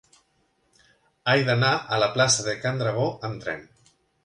He d'anar a la plaça de Can Dragó amb tren.